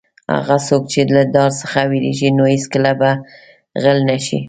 هغه څوک چې له دار څخه وېرېږي نو هېڅکله به غل نه شي.